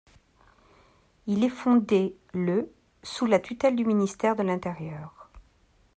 Il est fondé le sous la tutelle du ministère de l'Intérieur.